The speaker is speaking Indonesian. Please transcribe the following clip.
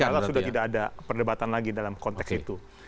padahal sudah tidak ada perdebatan lagi dalam konteks itu